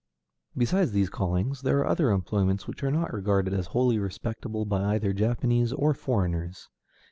Beside these callings, there are other employments which are not regarded as wholly respectable by either Japanese or foreigners.